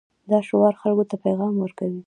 دا شعار خلکو ته پیغام ورکوي.